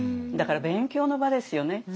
だから勉強の場ですよね。